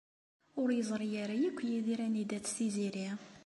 Ur yeẓri ara akk Yidir anida-tt Tiziri.